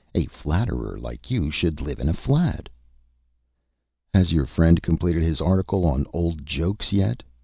"A flatterer like you should live in a flat." "Has your friend completed his article on old jokes yet?"